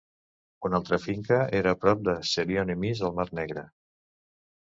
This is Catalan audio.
Una altra finca era prop de Zelyony Myss, al mar Negre.